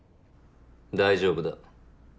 大丈夫だ。